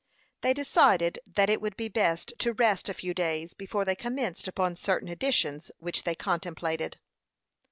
They decided that it would be best to rest a few days before they commenced upon certain additions which they contemplated.